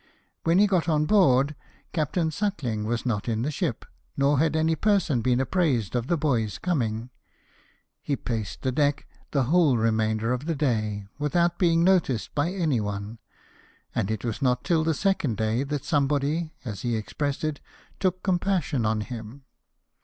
When he got on board Captain Suckling was not in the ship, nor had any person been apprised of the boy's coming. He paced the deck the whole remainder of the day, without being noticed by any one ; and it was not till the second day that some body, as he expressed it, " took compassion on him."